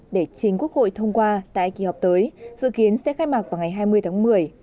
để chính quốc hội thông qua tại kỳ họp tới dự kiến sẽ khai mạc vào ngày hai mươi tháng một mươi